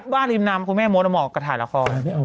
บ้านดินามคุณแม่โมทธมากกับถ่ายละคร